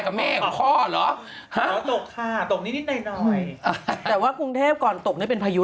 ช่วงเนี้ยโดนอยู่